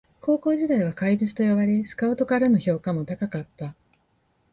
高校時代は怪物と呼ばれスカウトからの評価も高かった